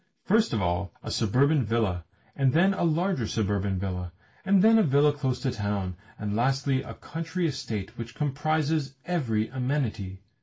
First of all a suburban villa, and then a larger suburban villa, and then a villa close to a town, and lastly a country estate which comprises every amenity!